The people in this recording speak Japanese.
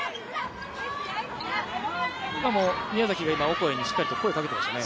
今も、宮崎がオコエにしっかり声をかけていましたね。